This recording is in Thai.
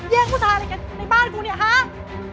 อย่าอย่าทำลูกฉัน